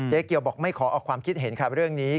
เกียวบอกไม่ขอออกความคิดเห็นค่ะเรื่องนี้